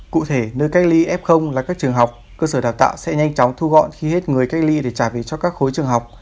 cụ thể nơi cách ly f là các trường học cơ sở đào tạo sẽ nhanh chóng thu gọn khi hết người cách ly để trả về cho các khối trường học